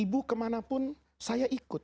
ibu kemana pun saya ikut